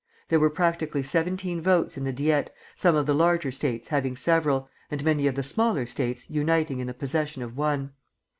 There were practically seventeen votes in the Diet, some of the larger States having several, and many of the smaller States uniting in the possession of one.